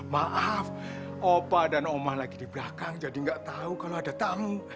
maaf opa dan omah lagi di belakang jadi nggak tahu kalau ada tamu